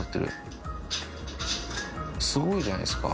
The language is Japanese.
すごいじゃないですか。